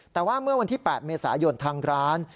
แต่ว่าเมื่อวันที่๘เมษายนทางร้าน